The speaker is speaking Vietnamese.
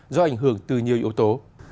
do ảnh hưởng từ nhiều yếu tố